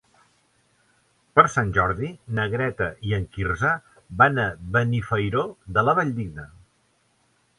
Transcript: Per Sant Jordi na Greta i en Quirze van a Benifairó de la Valldigna.